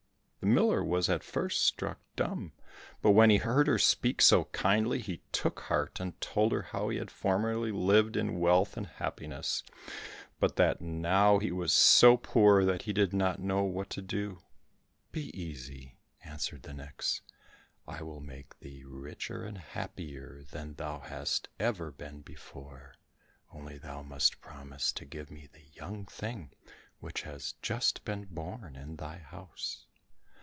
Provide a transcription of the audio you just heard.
The miller was at first struck dumb, but when he heard her speak so kindly, he took heart, and told her how he had formerly lived in wealth and happiness, but that now he was so poor that he did not know what to do. "Be easy," answered the nix, "I will make thee richer and happier than thou hast ever been before, only thou must promise to give me the young thing which has just been born in thy house."